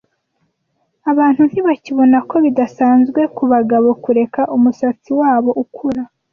Abantu ntibakibona ko bidasanzwe kubagabo kureka umusatsi wabo ukura.